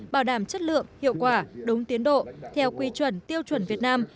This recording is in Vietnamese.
bảo đảm chất lượng hiệu quả đúng tiến độ theo quy chuẩn tiêu chuẩn việt nam